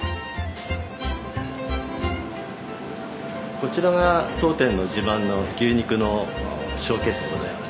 こちらが当店の自慢の牛肉のショーケースでございます。